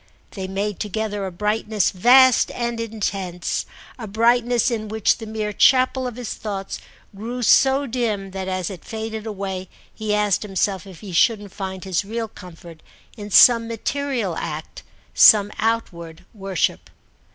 They made together a brightness vast and intense, a brightness in which the mere chapel of his thoughts grew so dim that as it faded away he asked himself if he shouldn't find his real comfort in some material act, some outward worship.